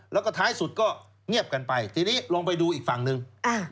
แล้วก็ท้ายสุดก็เงียบกันไปทีนี้ลองไปดูอีกฝั่งหนึ่ง